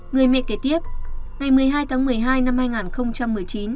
người mẹ kể tiếp ngày một mươi hai tháng một mươi hai năm hai nghìn một mươi tám